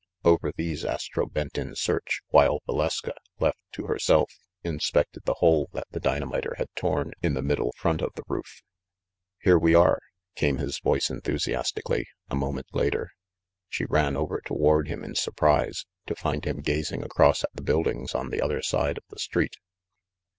Over these As tro bent in search, while Valeska, left to herself, in spected the hole that the dynamiter had torn in the middle front of the roof. "Here we are !" came his voice enthusiastically a mo ment later. She ran over toward him in surprise, to find him gazing across at the buildings on the other side of the street.